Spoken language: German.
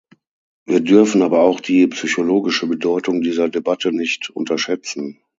Wir dürfen aber auch die psychologische Bedeutung dieser Debatte nicht unterschätzen.